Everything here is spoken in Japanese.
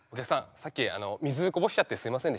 さっき水こぼしちゃってすいませんでした。